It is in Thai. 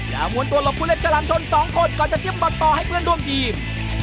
และหมุนตัวหลบผู้เล่นฉลามทน๒คนก่อนจะเชื่อมบอลต่อให้เพื่อนร่วมจีบ